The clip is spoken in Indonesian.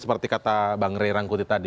seperti kata bang ray rangkuti tadi